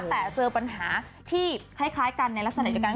แต่เจอปัญหาที่คล้ายกันในลักษณะเดียวกัน